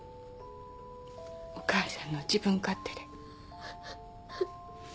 お母さんの自分勝手で